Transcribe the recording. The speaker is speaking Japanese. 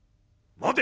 待て！」。